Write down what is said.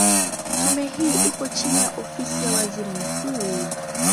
Tume hii ipo chini ya Ofisi ya Waziri Mkuu.